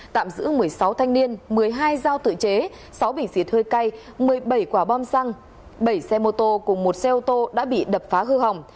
tạm giữ một mươi sáu thanh niên một mươi hai dao tự chế sáu bình xịt hơi cay một mươi bảy quả bom xăng bảy xe mô tô cùng một xe ô tô đã bị đập phá hư hỏng